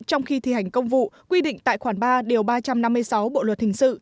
trong khi thi hành công vụ quy định tại khoản ba điều ba trăm năm mươi sáu bộ luật hình sự